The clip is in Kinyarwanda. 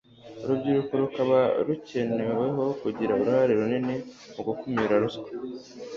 urubyirko rukaba rukeneweho kugira uruhare runini mu gukumira ruswa